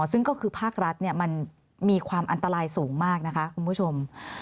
ซึ่งก็คือภาครัฐมันมีความอันตรายสูงมากนะคะคุณผู้ชม